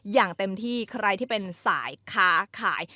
อย่างเต็มที่ใครที่เป็นสายค้าขาย